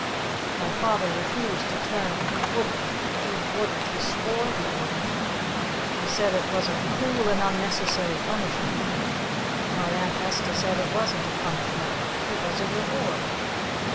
My Father refused to turn! He wouldn't! He wouldn't! He swore he wouldn't! He said it was a "cruel and unnecessary punishment!" Our Aunt Esta said it wasn't a Punishment! It was a Reward!